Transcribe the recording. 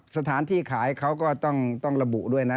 สถานที่ขายเขาก็ต้องระบุด้วยนะ